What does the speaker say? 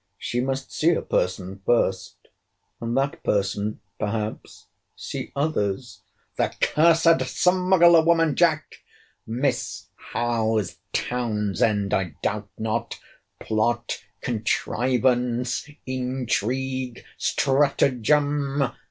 She must see a person first, and that person perhaps see others. The cursed smuggler woman, Jack!—Miss Howe's Townsend, I doubt not—Plot, contrivance, intrigue, stratagem!